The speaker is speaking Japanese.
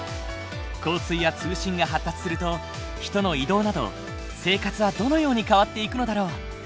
交通や通信が発達すると人の移動など生活はどのように変わっていくのだろう？